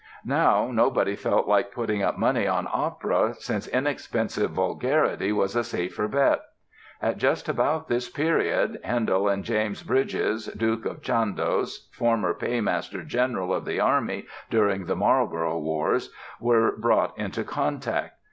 Now nobody felt like putting up money on opera, since inexpensive vulgarity was a safer bet. At just about this period Handel and James Brydges, Duke of Chandos, former Paymaster General of the Army during the Marlborough wars, were brought into contact.